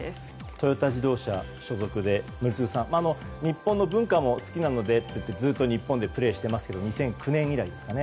トヨタ自動車所属で宜嗣さん、日本の文化も好きなのでって言ってずっと日本でプレーしていますが２００９年以来ですかね。